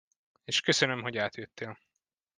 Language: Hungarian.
És köszönöm, hogy átjöttél.